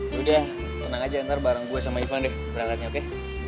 yaudah tenang aja nanti bareng gue sama ivan deh perangkatnya oke